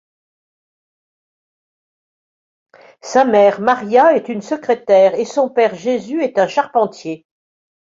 Sa mère, María, est une secrétaire et son père, Jésus, est un charpentier.